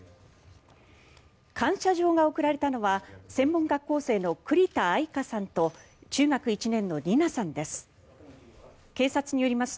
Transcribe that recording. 感謝状が贈られたのは専門学校生の栗田愛香さんと中学１年の莉奈さんです。